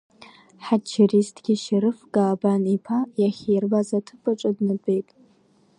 Хаҷаристгьы Шьрыф Каабан-иԥа иахьиирбаз аҭыԥ аҿы днатәеит.